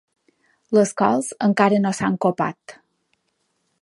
Les cols encara no s'han copat.